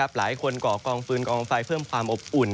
หลายคนก่อกองฟืนกองไฟเพิ่มความอบอุ่น